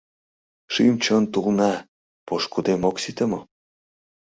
Шӱм-чон тулна, пошкудем, ок сите мо?